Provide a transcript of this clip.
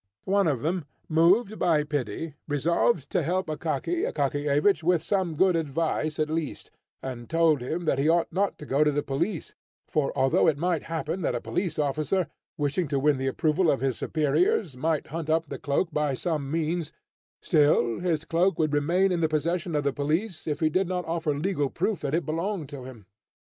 One of them, moved by pity, resolved to help Akaky Akakiyevich with some good advice, at least, and told him that he ought not to go to the police, for although it might happen that a police officer, wishing to win the approval of his superiors, might hunt up the cloak by some means, still, his cloak would remain in the possession of the police if he did not offer legal proof that it belonged to him.